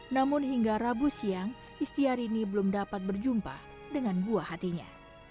namun hingga rabu siang istiarini belum dapat berjumpa dengan buah hatinya